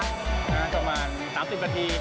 ประมาณ๓๐นาที